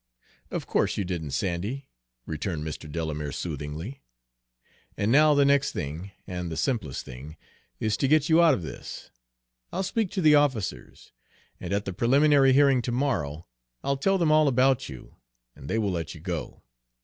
"Of course you didn't, Sandy," returned Mr. Delamere soothingly; "and now the next thing, and the simplest thing, is to get you out of this. I'll speak to the officers, and at the preliminary hearing to morrow I'll tell them all about you, and they will let you go.